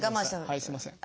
はいすいません。